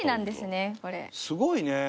すごいね。